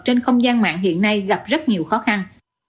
trên không gian mạng hiện nay gặp rất nhiều khó khăn